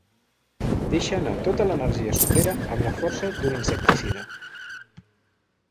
Deixa anar tota l'energia sobrera amb la força d'un insecticida.